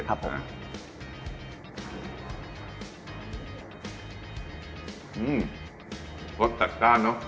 หื้มรสแตกเนอะ